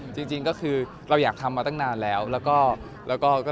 จริงก็คือเราอยากทำมาตั้งนานแล้วแล้วก็เลยทำขึ้นมา